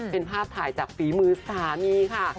เป็นภาพถ่ายจากฝีมือสามีค่ะ